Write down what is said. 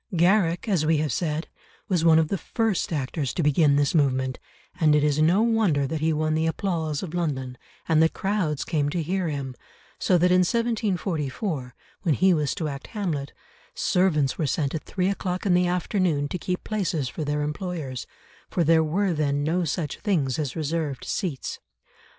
Garrick, as we have said, was one of the first actors to begin this movement, and it is no wonder that he won the applause of London, and that crowds came to hear him, so that in 1744, when he was to act Hamlet, servants were sent at three o'clock in the afternoon to keep places for their employers, for there were then no such things as reserved seats.